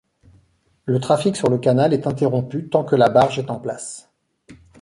Le trafic sur le Canal est interrompu tant que la barge est en place.